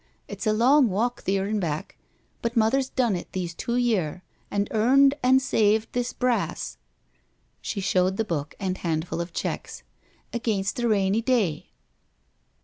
It's a long walk, theer an' back, but Mother's done it these two year, an' earned an' saved this brass "—she showed the book and handful of checks —" against a rainy day.